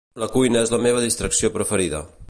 La cuina és la meva distracció preferida.